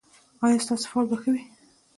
ایا ستاسو فال به ښه وي؟